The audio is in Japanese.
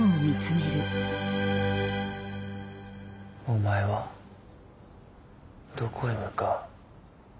お前はどこへ向かう？